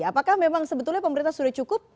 apakah memang sebetulnya pemerintah sudah cukup